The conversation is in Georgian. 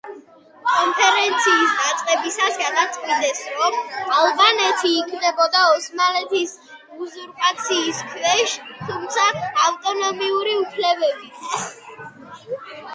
კონფერენციის დაწყებისას გადაწყვიტეს, რომ ალბანეთი იქნებოდა ოსმალეთის უზურპაციის ქვეშ, თუმცა ავტონომიური უფლებებით.